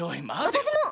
私も！